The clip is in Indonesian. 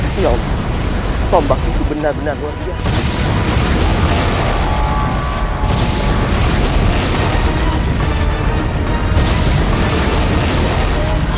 siok tombak itu benar benar luar biasa